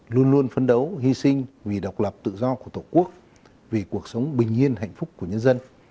luôn luôn phấn đấu hy sinh vì độc lập tự do của tổ quốc vì cuộc sống bình yên hạnh phúc của nhân dân